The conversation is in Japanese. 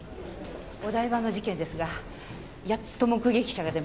お台場の事件ですがやっと目撃者が出ました。